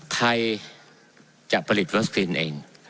ไทยจะผลิตวัคซีนเอง